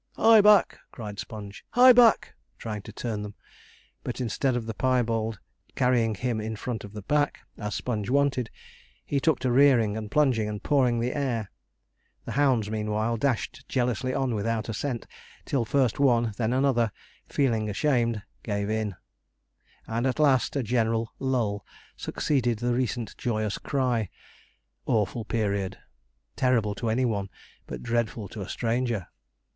'Hie back!' cried Sponge. 'Hie back!' trying to turn them; but instead of the piebald carrying him in front of the pack, as Sponge wanted, he took to rearing, and plunging, and pawing the air. The hounds meanwhile dashed jealously on without a scent, till first one and then another feeling ashamed, gave in; and at last a general lull succeeded the recent joyous cry. Awful period! terrible to any one, but dreadful to a stranger!